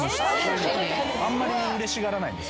あんまりうれしがらない。